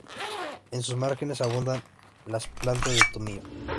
En sus márgenes abundan las plantas de tomillo.